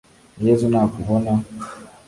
Yezu nakubona